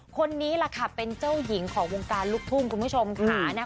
คนนี้แหละค่ะเป็นเจ้าหญิงของวงการลูกทุ่งคุณผู้ชมค่ะ